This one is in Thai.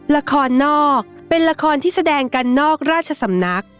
ละครนอกเป็นละครที่แสดงกันนอกราชสำนัก